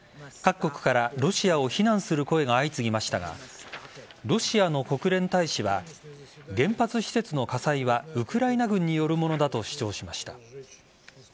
各国からロシアを非難する声が相次ぎましたがロシアの国連大使は原発施設の火災はウクライナ軍によるものだと主張しました。